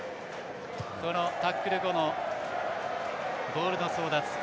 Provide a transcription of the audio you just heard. タックル後のボールの争奪。